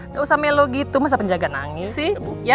gak usah melo gitu masa penjaga nangisi ya